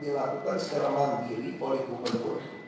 dilakukan secara mandiri oleh gubernur